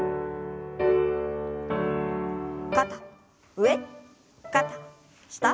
肩上肩下。